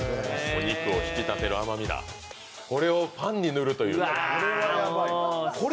お肉を引き立てる甘みだ、これをパンに塗るという。